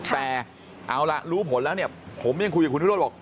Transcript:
แต่เอาล่ะรู้ผลแล้วเนี่ยผมยังคุยกับคุณวิโรธบอก